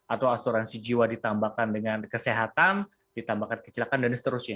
atau asuransi jiwa ditambahkan dengan kesehatan ditambahkan kecelakaan dan seterusnya